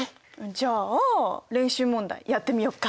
じゃあ練習問題やってみよっか。